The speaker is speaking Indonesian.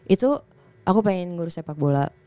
itu aku pengen ngurus sepak bola